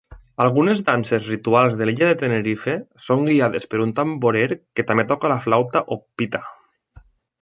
Algunes danses rituals de l'illa de Tenerife són guiades per un tamborer que també toca la flauta o "pita".